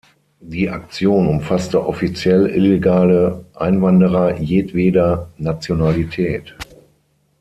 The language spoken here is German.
Die Aktion umfasste offiziell illegale Einwanderer jedweder Nationalität.